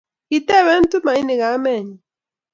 Kitebe Tumaini kamenyi